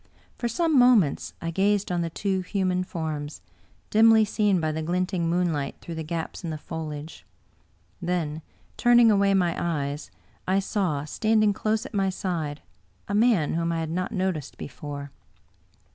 For some mo ments I gazed on the two human forms, dimly seen by the glinting moonlight through the gaps in the foliage. Then turning away my eyes, I saw, standing close at my side, a man whom I had not noticed before.